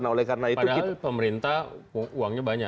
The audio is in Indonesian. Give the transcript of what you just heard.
padahal pemerintah uangnya banyak